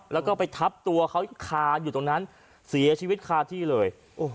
แล้วก็ไปทับตัวเขาคาอยู่ตรงนั้นเสียชีวิตคาที่เลย